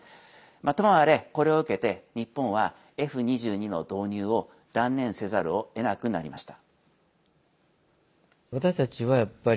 ともあれ、これを受けて日本は、Ｆ２２の導入を断念せざるをえなくなりました。